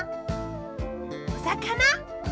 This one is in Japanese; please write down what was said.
おさかな？